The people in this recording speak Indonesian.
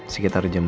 sekitar jam lima